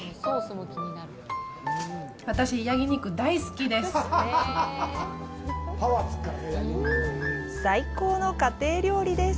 私、ヤギ肉、大好きです！